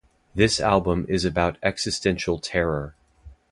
This album is about existential terror.